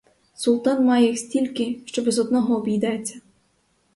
Султан має їх стільки, що без одного обійдеться.